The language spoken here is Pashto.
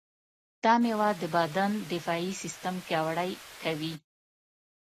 دا مېوه د بدن دفاعي سیستم پیاوړی کوي.